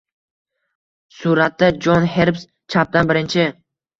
Suratda: Jon Herbst - chapdan birinchi